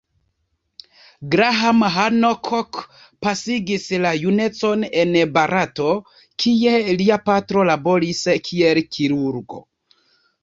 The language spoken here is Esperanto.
Graham Hancock pasigis la junecon en Barato, kie lia patro laboris kiel kirurgo.